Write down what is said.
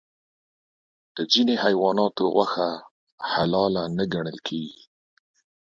د ځینې حیواناتو غوښه حلال نه ګڼل کېږي.